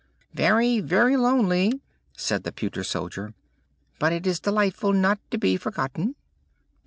"Very, very lonely!" said the pewter soldier. "But it is delightful not to be forgotten!"